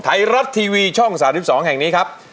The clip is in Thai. ไทยรัฐทีวีช่อง๓๒แห่งนี้ครับ